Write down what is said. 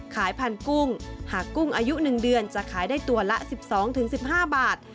ขายพันธุ์กุ้งหากกุ้งอายุ๑เดือนจะขายได้ตัวละ๑๒๑๕บาท